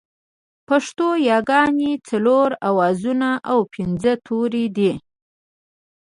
پښتو ياگانې څلور آوازونه او پينځه توري دي